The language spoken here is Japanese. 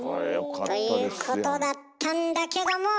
ということだったんだけども！